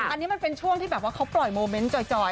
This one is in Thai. อันนี้มันเป็นช่วงที่แบบว่าเขาปล่อยโมเมนต์จอย